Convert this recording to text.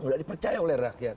tidak dipercaya oleh rakyat